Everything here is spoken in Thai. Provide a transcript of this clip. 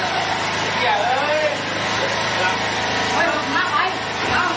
อันดับที่สุดท้ายก็จะเป็น